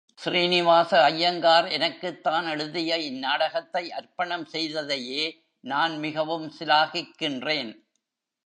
ஸ்ரீனிவாச ஐயங்கார் எனக்குத் தான் எழுதிய இந் நாடகத்தை அர்ப்பணம் செய்ததையே நான் மிகவும் சிலாகிக்கின்றேன்.